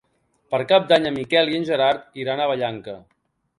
Per Cap d'Any en Miquel i en Gerard iran a Vallanca.